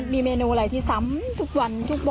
มีเมนูอะไรที่ซ้ำทุกวันทุกวัน